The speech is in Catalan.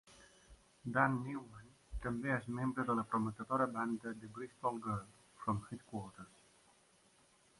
Dan Newman també és membre de la prometedora banda de Bristol Girl From Headquarters.